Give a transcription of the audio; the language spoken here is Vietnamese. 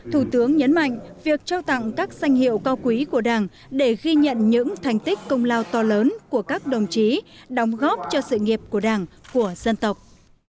thủ tướng nhấn mạnh việc trao tặng các danh hiệu cao quý của đảng để ghi nhận những thành tích công lao to lớn của các đồng chí đóng góp cho sự nghiệp của đảng của dân tộc